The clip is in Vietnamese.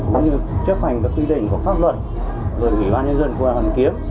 cũng như chấp hành các quy định của pháp luật rồi ủy ban nhân dân quân hàn kiếp